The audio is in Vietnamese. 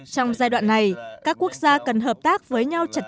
trong giai đoạn này các quốc gia cần hợp tác với nhau chặt chẽ